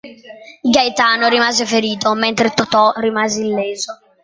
Gaetano rimase ferito, mentre Totò rimase illeso.